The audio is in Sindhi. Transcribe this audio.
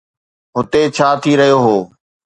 هتي ڇا ٿي رهيو هو؟